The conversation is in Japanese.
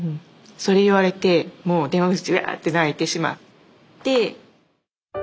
それ言われてもう電話口で「うわ」って泣いてしまって。